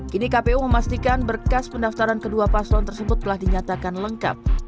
kini kpu memastikan berkas pendaftaran kedua paslon tersebut telah dinyatakan lengkap